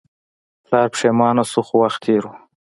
پلار پښیمانه شو خو وخت تیر و.